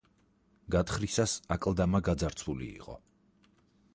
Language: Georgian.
გათხრისას აკლდამა გაძარცვული იყო.